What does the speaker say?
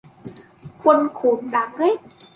quân khốn đáng ghét